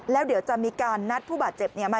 แล้วเดี๋ยวจะมีการนัดผู้บาดเจ็บ